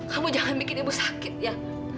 kamu jangan bikin ibu sakit ya